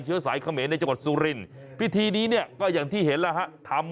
เชื้อสายเขมรในจังหวัดสุรินพิธีนี้เนี่ยก็อย่างที่เห็นแล้วฮะทำ